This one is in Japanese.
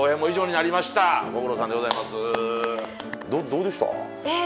どうでした？